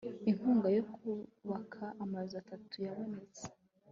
inkunga yo kubaka amazu atatu yabonetse